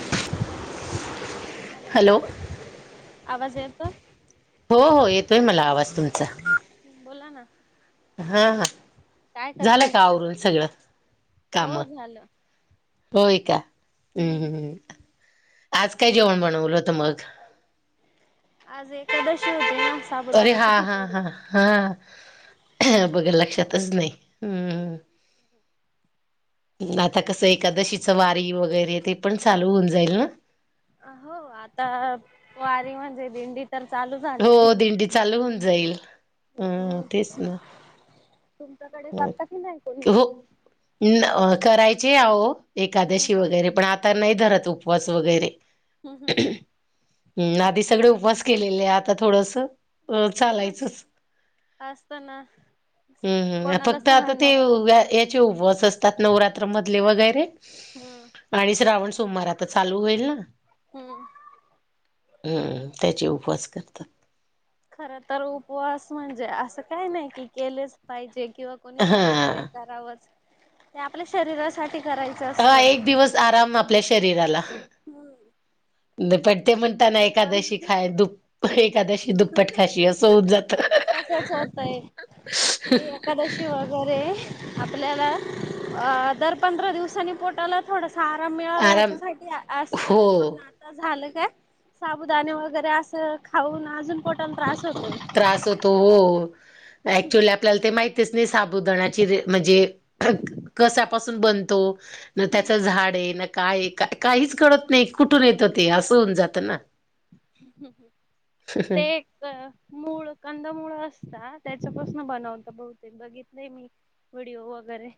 Hello hello आवाज येतोय? हो हो, येतोय मला आवाज तुमचा. बोला ना. हा‌.. हा... काय झालं करताय? का आवरून सगळं हो काम. झालं. होय का, हम्म. हम्.. आज काय जेवण बनवलं होतं मगं. आज एकादशी होते ना, अरे हा साबुदानाची हा खिचडी. हा हा बघ लक्षातच नाही हम्म. आता कसं एकादशीच वारी वगैरे, ते पण चालू होऊन जाईल ना. हो, आता वारी म्हणजे दिंडीत. तर चालू झालेली हो दिंडी चालू होऊन जाईल अ हम्म. तेच ना तुमच्याकडे करता की नाही कोणी? हो करायचे आ हो हम्म एकादशी वगैरे, पण आता नाही धरत उपवास वगैरे. हम् हम्. हम्. आधी सगळे उपवास केलेले आहे, आता थोडंस हम्म चालायचंच. असत ना. हम्म हम्म. कोणाला फक्त आता सहन नाही होत. ते, चे उपवास असतात, नवरात्री मधले वगैरे. हम्म. आणि श्रावण सोमवार आता चालू होईल ना. हम्म. हम्म त्याचे उपवास करता. खर तर उपवास म्हणजे, असं काही नाही कि केलेच पाहिजे किंवा, कोणी सांगितले हा. करावच ते, आपल्या शरीरासाठी करायचं. हा असतं. एक दिवस आराम आपल्या शरीराला. हम्. दुपट ते म्हणताना एकादशी खाय दुप एकादशी दुप्पट खाशी असं होत जात तसंच होतंय की, एकादशी वगैरे, आपल्याला दर पंधरा दिवसांनी पोटाला. थोडासा आराम मिळावा आराम याच्यासाठी असतं हो पण आता झालं काय साबुदाणे वगैरे असं, खाऊन अजून पोटाला त्रास होतोय. त्रास होतो हो ऍक्चुली हम्म आपल्याला ते माहि तेच नाही साबुदाणाची रे म्हणजे कसापासून बनतो? ना त्यांच झाड आहे न, काय काहीच कळत नाही कुठून येतं. ते असं होऊन नाही जातं ना. तर मूळ कंदमुळं असतात त्याच्यापासून बनवतात बहुतेक बघितलय मी. व्हिडिओ वगैरे.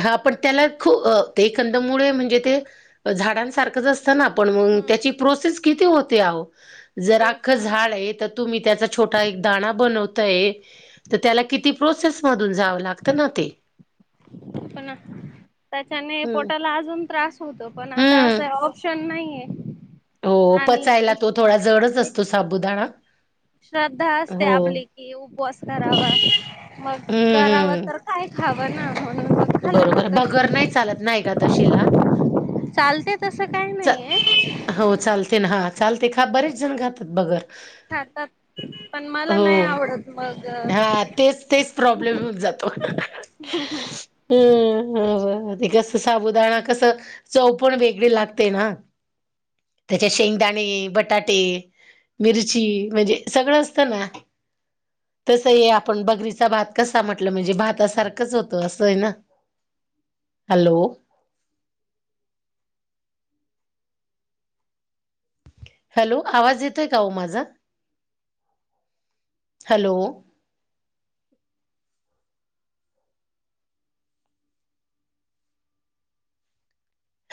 हा पण त्याला खू ते कंदमुळे म्हणजे, ते झाडांनसारखंच अस चला मगं हम्म त्याची प्रोसेस किती होते आहो, जर आप तेच आखं ना झाड. तुम्ही त्यांचा छोटा एक दाणा बनवताय. तर त्याला किती प्रोसेसमधून, जावं लागतं ना ते. पणा त्याच्याने हम्म पोटाला अजून त्रास, होत पण, आता हम्म. असं ऑप्शन नाहीये. हो, पचायला आणि तो थोडा, जडच एक असतो साबुदाणा. श्रद्धा असते हो. आपली. की उपवास करावा मग, करावा हम्म, तर काय खावं ना म्हणून मग. खाल्लं बरोबर जात बगर नाही चालत नाही, एकादशीला. चालतंय तसं काय च नाहीये. हो चालते ना हा चालते खा, बरेच जण खातात बगर. खातात, पण मला नाही आवडत मगं. हा तेच तेच प्रॉब्लेम येऊन जातो. हम् हम्. हम् हम. ते कस साबुदाणा कसं, चवपण वेगळी लागते ना. त्याचात शेंगदाणे बटाटे. मिरची म्हणजे, सगळं असतं ना. तसं आहे आपण बगरीचा भात कसा म्हटलं, म्हणजे भातासारखंच होतं असं आहे ना. हॅलो, हॅलो, आवाज येतोय का, हो माझा हॅलो.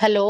हॅलो,